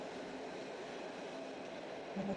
আমার ব্যাগের কিছু না হলেই হল।